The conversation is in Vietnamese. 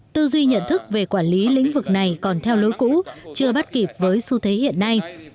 tư duy nhận thức về quản lý lĩnh vực này còn theo lối cũ chưa bắt kịp với xu thế hiện nay